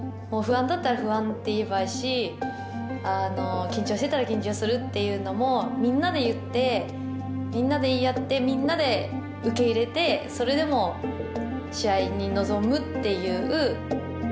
不安だったら不安って言えばいいし緊張してたら緊張するっていうのもみんなで言ってみんなで言い合ってみんなで受け入れてそれでもう試合に臨むっていう。